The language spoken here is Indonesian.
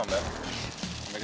sampai ketemu ya